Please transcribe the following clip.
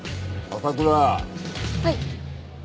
はい。